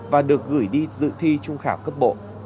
và được gửi đi dự thi trung khảo cấp bộ